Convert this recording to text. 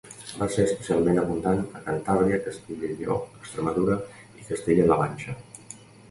Va ser especialment abundant a Cantàbria, Castella i Lleó, Extremadura i Castella-la Manxa.